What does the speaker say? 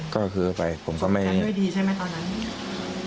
ก็คือไปผมก็ไม่ทำด้วยดีใช่ไหมตอนนั้น